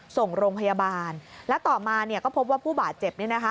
ส่งโรงพยาบาลแล้วต่อมาเนี่ยก็พบว่าผู้บาดเจ็บเนี่ยนะคะ